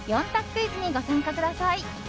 クイズにご参加ください。